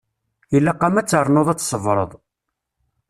Ilaq-am ad ternuḍ ad tṣebreḍ.